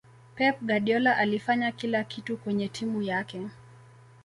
pep guardiola alifanya kila kitu kwenye timu yake